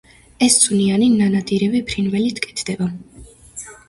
ეს წვნიანი ნანადირევი ფრინველით კეთდება.